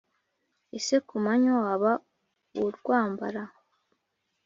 ese ku manywa waba urwambara?